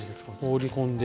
放り込んで。